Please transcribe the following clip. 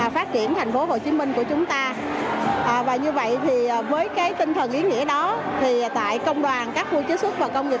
phát triển tp hcm của chúng ta và như vậy thì với tinh thần ý nghĩa đó thì tại công đoàn các khu chế xuất và công nghiệp